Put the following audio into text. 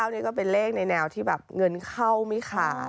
นี่ก็เป็นเลขในแนวที่แบบเงินเข้าไม่ขาด